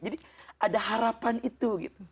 jadi ada harapan itu